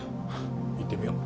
行ってみよう。